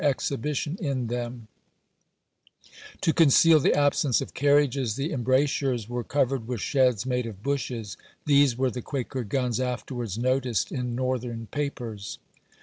X. exhibition in them> To conceal the absence of ^Narnitive carriages, the embrasures were covered with sheds olu'nr"^ made of bushes. These were the quaker guns tious p. tV. afterwards noticed in Northern papers."